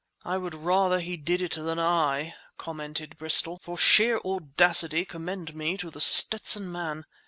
"I would rather he did it than I!" commented Bristol. "For sheer audacity commend me to The Stetson Man!